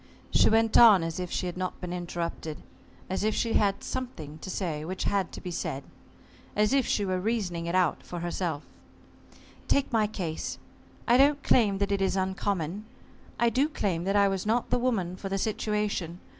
She went on as if she had not been interrupted, as if she had something to say which had to be said, as if she were reasoning it out for herself: "Take my case. I don't claim that it is uncommon. I do claim that I was not the woman for the situation.